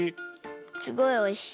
すごいおいしい。